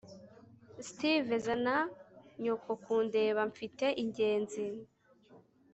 steve, zana nyoko kundeba. mfite ingenzi